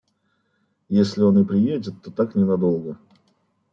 – Если он и приедет, то так ненадолго.